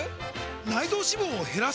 内臓脂肪を減らす！？